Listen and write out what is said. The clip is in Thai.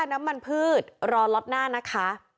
น้ำมันพืชรอล็อตหน้านะคะ